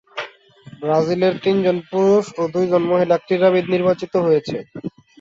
ব্রাজিলের তিনজন পুরুষ ও দুইজন মহিলা ক্রীড়াবিদ নির্বাচিত হয়েছে।